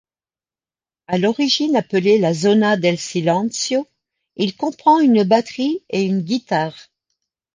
À l'origine appelé La Zona del Silencio, il comprend une batterie et une guitare.